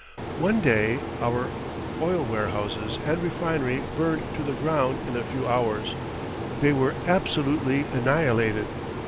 One day our oil warehouses and refinery burned to the ground in a few hours they were absolutely annihilated.